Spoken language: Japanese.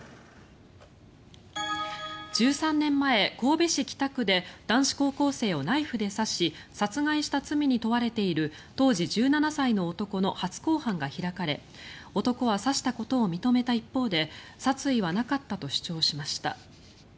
１３年前、神戸市北区で男子高校生をナイフで刺し殺害した罪に問われている当時１７歳の男の初公判が開かれ男は刺したことを認めた一方で殺意はなかったと主張しました。